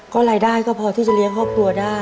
รายได้ก็พอที่จะเลี้ยงครอบครัวได้